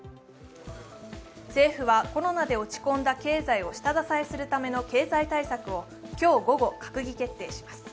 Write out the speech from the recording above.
政府はコロナで落ち込んだ経済を下支えするための経済対策を今日午後、閣議決定します。